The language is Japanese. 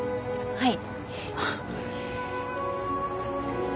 はい。